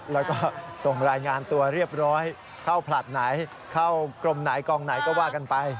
แล้วก็ส่งรายงานตัวเรียบร้อยเข้าผลัดไหนเข้ากรมไหนกองไหนก็ว่ากันไป